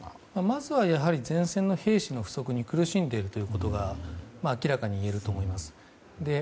まずは前線の兵士の不足に苦しんでいることが明らかにいえると思います。